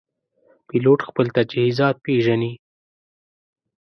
پیلوټ خپل تجهیزات پېژني.